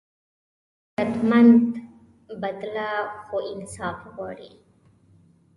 غیرتمند بدله خو انصاف غواړي